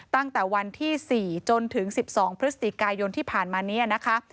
ตั้งแต่วันที่๔จนถึง๑๒พฤศจิกายนที่ผ่านมานี้นะคะ